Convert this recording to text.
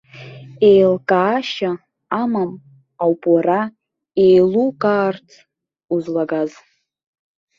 Еилкаашьа амам ауп уара еилукаарц узлагаз.